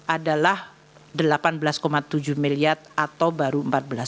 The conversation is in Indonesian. adalah delapan belas tujuh miliar atau baru empat belas